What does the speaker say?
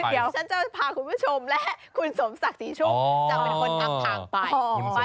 เดี๋ยวฉันจะพาคุณผู้ชมและคุณสมศักดิ์ศรีชุกจะเป็นคนนำทางไป